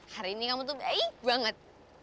hari ini kamu tuh baik banget